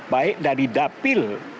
baik dari dapil